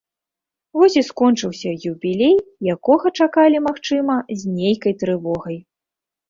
Вось і скончыўся юбілей, якога чакалі, магчыма, з нейкай трывогай.